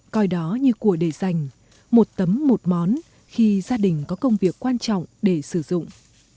coi đó như của để dành một tấm một món khi gia đình có công việc quan trọng để sử dụng